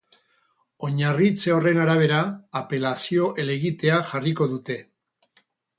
Oinarritze horren arabera, apelazio helegitea jarriko dute.